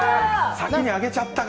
先に挙げちゃったか。